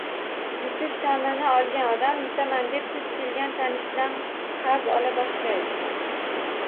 Yutish taʼmini olgan odam yutaman deb duch kelgan tanishidan qarz ola boshlaydi